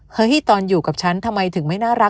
ตอนอยู่กับฉันทำไมถึงไม่น่ารัก